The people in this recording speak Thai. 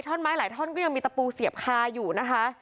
ไม้หลายท่อนก็ยังมีตะปูเสียบคาอยู่นะคะ